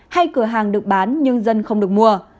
hay cửa hàng được bán nhưng dân không được mua